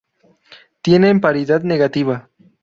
Tienen paridad negativa.